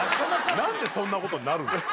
何でそんなことになるんですか